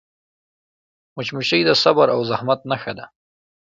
مچمچۍ د صبر او زحمت نښه ده